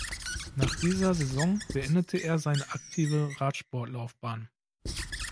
Nach dieser Saison beendete er seine aktive Radsportlaufbahn.